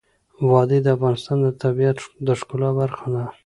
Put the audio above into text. وادي د افغانستان د طبیعت د ښکلا برخه ده.